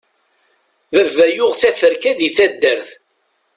Baba yuɣ teferka di taddart.